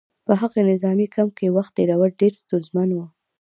په هغه نظامي کمپ کې وخت تېرول ډېر ستونزمن وو